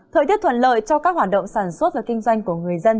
thời tiết thuận lợi cho các hoạt động sản xuất và kinh doanh của người dân